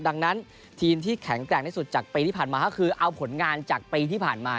ดังนั้นทีมที่แข็งแกร่งที่สุดจากปีที่ผ่านมาก็คือเอาผลงานจากปีที่ผ่านมา